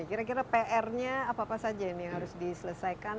kira kira pr nya apa apa saja ini yang harus diselesaikan